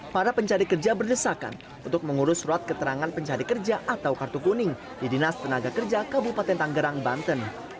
para pencari kerja berdesakan untuk mengurus surat keterangan pencari kerja atau kartu kuning di dinas tenaga kerja kabupaten tanggerang banten